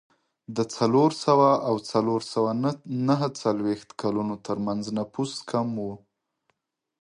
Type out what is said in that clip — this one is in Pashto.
د څلور سوه او څلور سوه نهه څلوېښت کلونو ترمنځ نفوس کم و.